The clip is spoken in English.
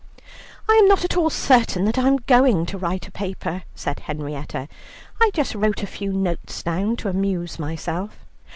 "I am not at all certain that I am going to write a paper," said Henrietta. "I just wrote a few notes down to amuse myself."